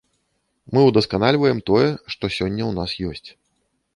Мы ўдасканальваем тое, што сёння ў нас ёсць.